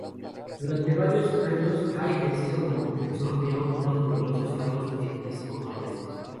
Durante varios años ha ejercido como profesor y ha ocupado numerosos cargos episcopales.